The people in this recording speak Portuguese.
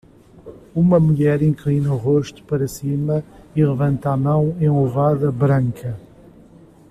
Uma mulher inclina o rosto para cima e levanta a mão enluvada branca